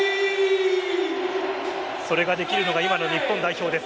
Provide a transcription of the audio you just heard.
それができるのが今の日本代表です。